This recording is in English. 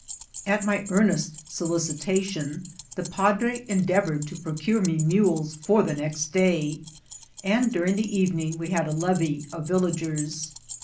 At my earnest solicitation, the padre endeavoured to procure me mules for the next day, and during the even ing we. had a levee of villagers.